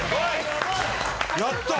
やった！